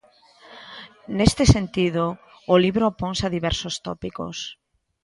Nese sentido, o libro oponse a diversos tópicos.